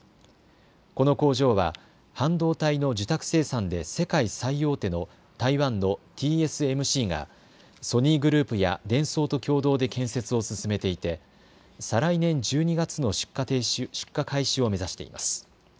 この工場は半導体の受託生産で世界最大手の台湾のＴＳＭＣがソニーグループやデンソーと共同で建設を進めていて再来年１２月の出荷開始を目指しています。